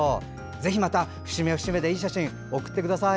ぜひまた節目節目でいい写真、送ってください。